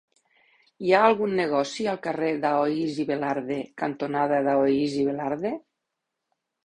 Hi ha algun negoci al carrer Daoíz i Velarde cantonada Daoíz i Velarde?